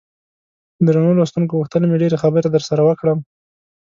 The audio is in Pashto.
درنو لوستونکو غوښتل مې ډېرې خبرې درسره وکړم.